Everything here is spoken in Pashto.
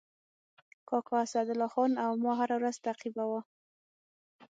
کاکا اسدالله خان او ما هره ورځ تعقیباوه.